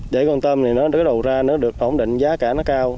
để con tôm này nó đối đầu ra nó được ổn định giá cả nó cao